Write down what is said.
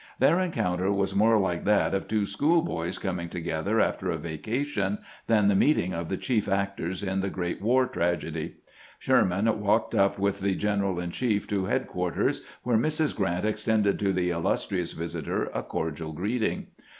Their en counter was more like that of two school boys coming 27 417 418 CAMPAIGNING WITH GRANT together after a vacation tlian the meeting of the chief actors in a great war tragedy. Sherman walked up with the general in ehief to headquarters, where Mrs. Grant extended to the illustrious visitor a cordial greeting.